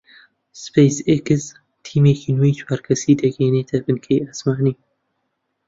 سپەیس ئێکس تیمێکی نوێی چوار کەسی دەگەیەنێتە بنکەی ئاسمانی